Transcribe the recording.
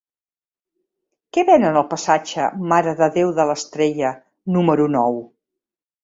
Què venen al passatge Mare de Déu de l'Estrella número nou?